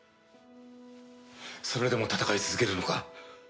それでも戦い続けるのか？